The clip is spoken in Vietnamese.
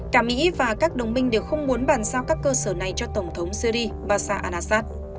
cả mỹ và các đồng minh đều không muốn bàn sao các cơ sở này cho tổng thống syri bashar al assad